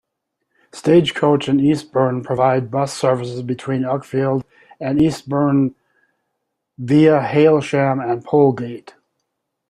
Stagecoach in Eastbourne provide bus services between Uckfield and Eastbourne via Hailsham and Polegate.